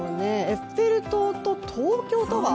エッフェル塔と、東京タワー？